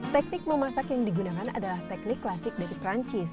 teknik memasak yang digunakan adalah teknik klasik dari perancis